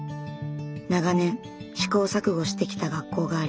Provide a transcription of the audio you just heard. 長年試行錯誤してきた学校があります。